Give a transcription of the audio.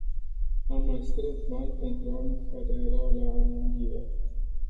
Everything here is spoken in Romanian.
Am mai strâns bani pentru oameni care erau la ananghie.